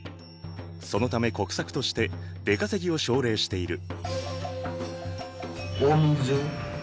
そのため国策として出稼ぎを奨励している。